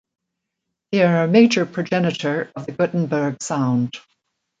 They are a major progenitor of the Gothenburg sound.